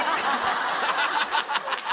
ハハハハハ！